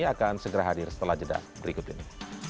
akan segera hadir setelah jeda berikut ini